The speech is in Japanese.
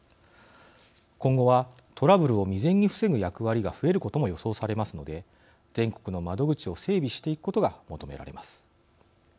今後は、トラブルを未然に防ぐ役割が増えることも予想されますので全国の窓口を整備していくことが求められます。